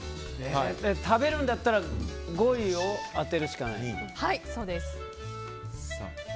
食べるんだったら５位を当てるしかない。